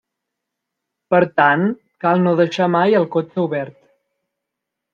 Per tant, cal no deixar mai el cotxe obert.